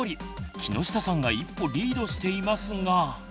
木下さんが一歩リードしていますが。